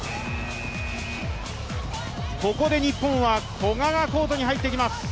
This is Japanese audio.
ここで日本は古賀がコートに入ってきます。